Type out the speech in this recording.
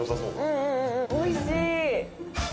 うんうんおいしい！